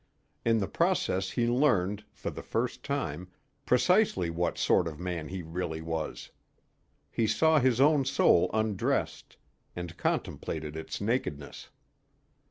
In the process he learned, for the first time, precisely what sort of man he really was. He saw his own soul undressed, and contemplated its nakedness.